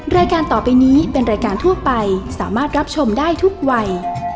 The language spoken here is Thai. รายการต่อไปนี้เป็นรายการทั่วไปสามารถรับชมได้ทุกวัย